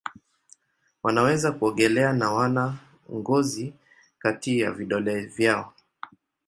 Wanaweza kuogelea na wana ngozi kati ya vidole vyao.